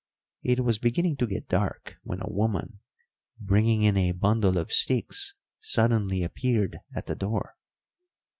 It was beginning to get dark when a woman, bringing in a bundle of sticks, suddenly appeared at the door.